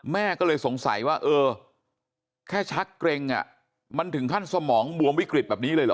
แม่ก็เลยสงสัยว่าเออแค่ชักเกร็งมันถึงขั้นสมองบวมวิกฤตแบบนี้เลยเหรอ